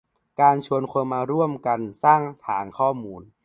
การชวนคนมาร่วมกันสร้างฐานข้อมูล